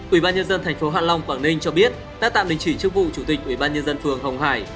ủy ban nhân dân thành phố hạ long quảng ninh cho biết đã tạm đình chỉ chức vụ chủ tịch ủy ban nhân dân phường hồng hải